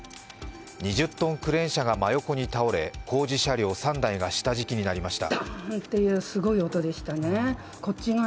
２０ｔクレーン車が真横に倒れ工事車両３台が下敷きになりました